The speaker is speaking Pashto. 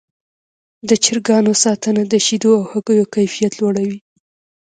د چرګانو ساتنه د شیدو او هګیو کیفیت لوړوي.